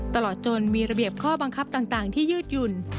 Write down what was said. ตลอดจนมีระเบียบข้อบังคับต่างที่ยืดหยุ่น